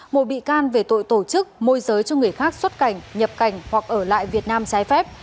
một bị can về tội tổ chức môi giới cho người khác xuất cảnh nhập cảnh hoặc ở lại việt nam trái phép